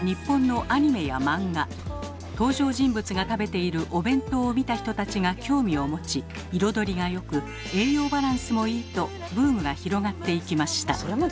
登場人物が食べているお弁当を見た人たちが興味を持ち彩りが良く栄養バランスもいいとブームが広がっていきました。